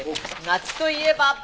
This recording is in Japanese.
夏といえば！